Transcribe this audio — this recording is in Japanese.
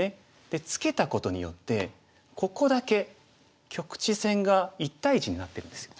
でツケたことによってここだけ局地戦が１対１になってるんですよ。